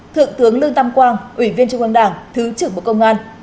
thượng tướng lương tam quang ủy viên trung ương đảng thứ trưởng bộ công an